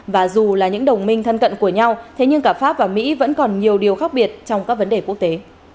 và dù là những đồng minh thân cận của nhau thế nhưng cả pháp và mỹ vẫn còn nhiều điều khác biệt trong các vấn đề quốc tế